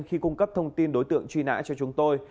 khi cung cấp thông tin đối tượng truy nã cho chúng tôi